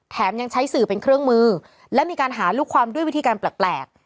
ยังใช้สื่อเป็นเครื่องมือและมีการหาลูกความด้วยวิธีการแปลก